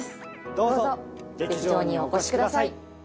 どうぞ劇場にお越しください。